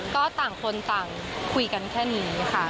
ก็ต่างคนต่างคุยกันแค่นี้ค่ะ